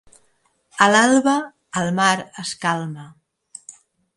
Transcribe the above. A l'alba, el mar es calma.